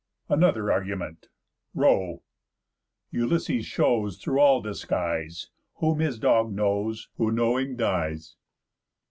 ANOTHER ARGUMENT Ρω̑. Ulysses shows Through all disguise. Whom his dog knows; Who knowing dies.